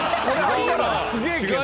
すげえけど。